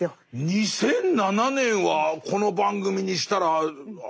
２００７年はこの番組にしたら新しいです。